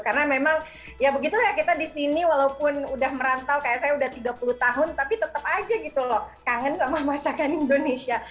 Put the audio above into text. karena memang ya begitu ya kita di sini walaupun udah merantau kayak saya udah tiga puluh tahun tapi tetap aja gitu loh kangen sama masakan indonesia